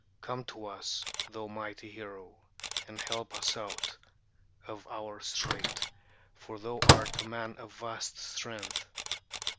"Come to us, thou mighty hero, and help us out of our strait; for thou art a man of vast strength."